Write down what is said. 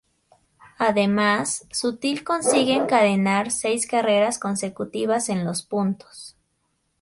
Además, Sutil consigue encadenar seis carreras consecutivas en los puntos.